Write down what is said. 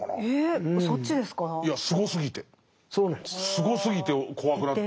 すごすぎて怖くなってきた。